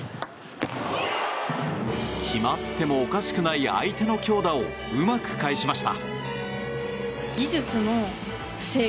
決まってもおかしくない相手の強打をうまく返しました。